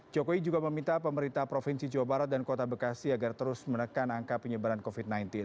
jokowi juga meminta pemerintah provinsi jawa barat dan kota bekasi agar terus menekan angka penyebaran covid sembilan belas